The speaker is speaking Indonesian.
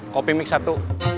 kopi mik satu